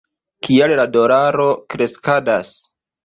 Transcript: Kial la dolaro kreskadas?